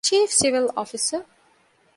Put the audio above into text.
ޗީފް ސިވިލް އޮފިސަރ